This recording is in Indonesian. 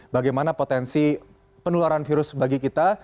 bagaimana potensi penularan virus bagi kita